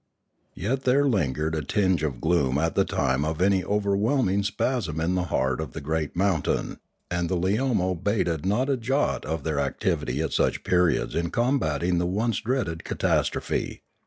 Yet there lingered a tinge of gloom at the time of any overwhelming spasm in the heart of the great mountain ; and the Leomo bated not a jot of their ac tivity at such periods in combating the once dreaded catastrophe.